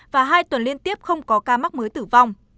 và hai tuần liên tiếp không có ca mắc mới tử vong